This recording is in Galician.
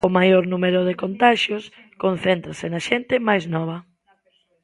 O maior número de contaxios concéntrase na xente máis nova.